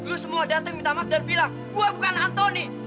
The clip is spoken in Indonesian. lu semua dateng minta maaf dan bilang gua bukan anthony